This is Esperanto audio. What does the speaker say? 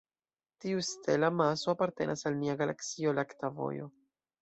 Tiu stel-amaso apartenas al nia galaksio lakta vojo.